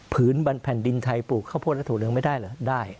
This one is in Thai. ผืนแผ่นดินไทยปลูกเข้าโพธิ์แล้วถั่วเหลืองไม่ได้เหรอได้